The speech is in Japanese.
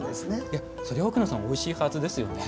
それは奥野さんおいしいはずですよね。